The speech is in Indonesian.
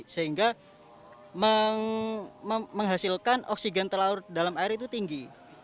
sehingga menghasilkan oksigen terlarut dalam air itu tinggi